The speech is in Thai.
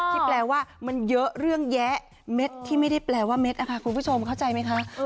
แปลว่ามันเยอะเรื่องแยะเม็ดที่ไม่ได้แปลว่าเด็ดนะคะคุณผู้ชมเข้าใจไหมคะ